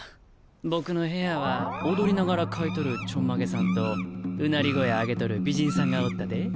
僕の部屋は踊りながら描いとるちょんまげさんとうなり声上げとる美人さんがおったで。